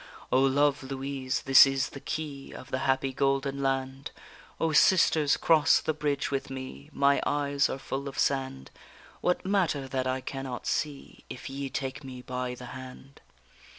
O, love Louise, this is the key Of the happy golden land! O, sisters, cross the bridge with me, My eyes are full of sand. What matter that I cannot see, If ye take me by the hand?